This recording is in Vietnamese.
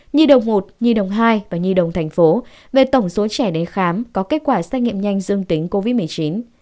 nhi đồng một nhi đồng hai và nhi đồng thành phố về tổng số trẻ đến khám có kết quả xét nghiệm nhanh dương tính covid một mươi chín